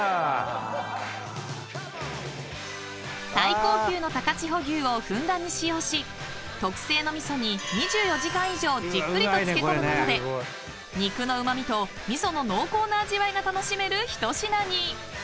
［最高級の高千穂牛をふんだんに使用し特製の味噌に２４時間以上じっくりと漬け込むことで肉のうま味と味噌の濃厚な味わいが楽しめる一品に］